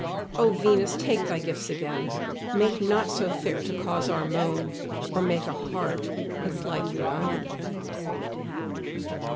O Venus, take thy gifts again! Make not so fair to cause our moan, Or make a heart that's like your own.